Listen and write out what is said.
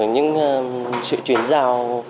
những sự chuyển giao